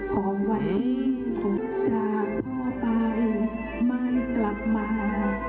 ขอไว้ให้สุขจะพอไปไม่กลับมา